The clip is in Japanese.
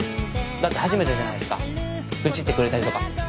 だって初めてじゃないですか愚痴ってくれたりとか。